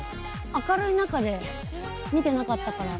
明るい中で見てなかったから。